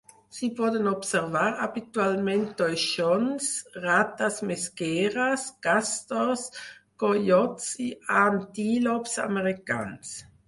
S'hi poden observar habitualment toixons, rates mesqueres, castors, coiots i antílops americans.